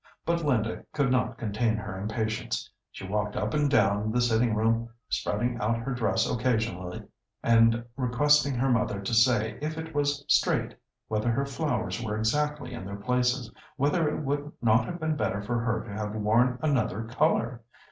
But Linda could not contain her impatience. She walked up and down the sitting room spreading out her dress occasionally, and requesting her mother to say if it was "straight," whether her flowers were exactly in their places, whether it would not have been better for her to have worn another colour.